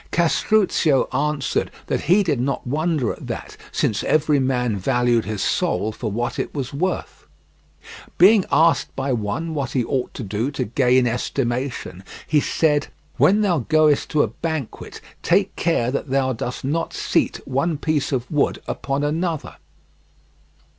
Castruccio answered that he did not wonder at that, since every man valued his soul for what is was worth. Being asked by one what he ought to do to gain estimation, he said: "When thou goest to a banquet take care that thou dost not seat one piece of wood upon another."